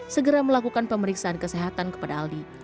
segera melakukan pemeriksaan kesehatan kepada aldi